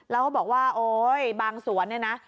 แล้วก็บอกว่าโอ๊ยบางสวนเนี่ยนะ